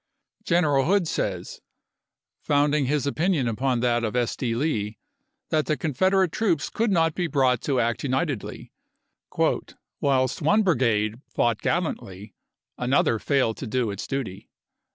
General Hood says, founding his opinion upon that Hood, of S. D. Lee, that the Confederate troops could not andncJ be brought to act unitedly; "whilst one brigade p. 194.' fought gallantly another failed to do its duty."